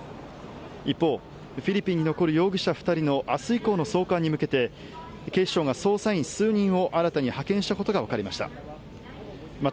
一方、フィリピンに残る容疑者２人の明日以降の送還に向けて警視庁が捜査員数人を新たに派遣したことが分かりました。